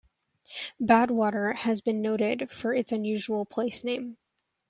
Badwater has been noted for its unusual place name.